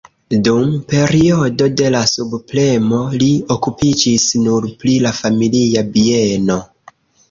Dum periodo de la subpremo li okupiĝis nur pri la familia bieno.